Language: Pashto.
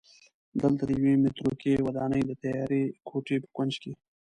دلته د یوې متروکې ودانۍ د تیارې کوټې په کونج کې